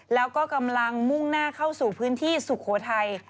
แล้วก็กำลังมุ่งหน้าเข้าสู่พื้นที่สุโขทัย